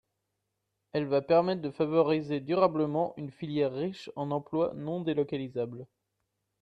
Elle va permettre de favoriser durablement une filière riche en emplois non délocalisables.